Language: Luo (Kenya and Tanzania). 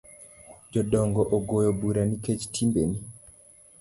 Jodongo ogoyo bura nikech timbeni